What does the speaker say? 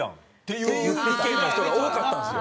いう意見の人が多かったんですよ。